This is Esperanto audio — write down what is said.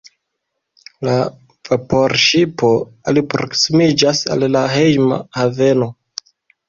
La vaporŝipo alproksimiĝas al la hejma haveno.